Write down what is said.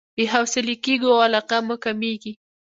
بې حوصلې کېږو او علاقه مو کميږي.